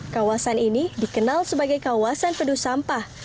kawasan ini dikenal sebagai kawasan penuh sampah